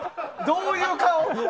どういう顔？